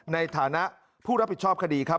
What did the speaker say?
ในฐานะผู้รับผิดชอบคดีครับ